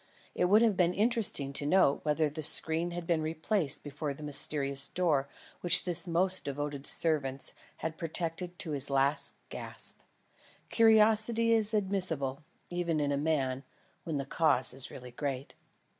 It would have been interesting to note whether the screen had been replaced before the mysterious door which this most devoted of servants had protected to his last gasp. Curiosity is admissible, even in a man, when the cause is really great.